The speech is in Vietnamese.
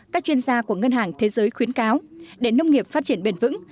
các chuyên gia của ngân hàng thế giới khuyến cáo để nông nghiệp phát triển bền vững